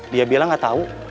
dia bilang gak tahu